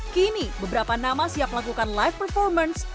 kini beberapa nama siap melakukan live performance